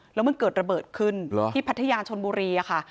แล้วมันเกิดระเบิดขึ้นที่พัทยาชนบุรีค่ะ